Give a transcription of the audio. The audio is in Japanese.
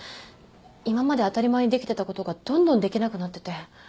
今まで当たり前にできてたことがどんどんできなくなってて。